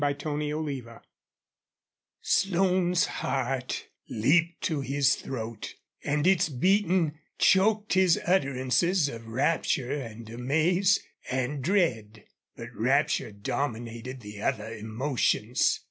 CHAPTER XV Slone's heart leaped to his throat, and its beating choked his utterances of rapture and amaze and dread. But rapture dominated the other emotions.